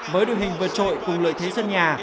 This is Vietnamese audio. với đội hình vượt trội cùng lợi thế sân nhà